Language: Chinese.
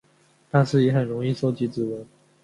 但是也很容易收集指纹。